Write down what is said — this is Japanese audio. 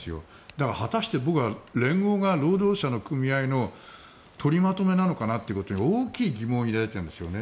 だから果たして、僕は連合が労働者の組合の取りまとめなのかなということに大きい疑問を抱いているんですね。